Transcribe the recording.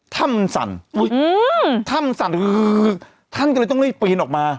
ถ้ามันสั่นอืมถ้ามันสั่นคือท่านก็เลยต้องให้ปีนออกมา